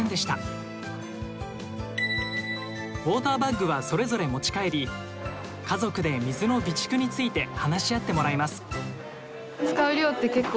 ウォーターバッグはそれぞれ持ち帰り家族で水の備蓄について話し合ってもらいます。